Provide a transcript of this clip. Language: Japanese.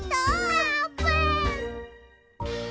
あーぷん！